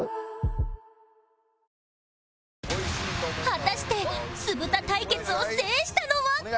果たして酢豚対決を制したのは？